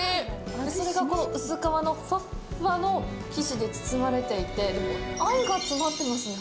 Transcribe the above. それが、この薄皮のふわっふわの生地で包まれていて愛が詰まってますね。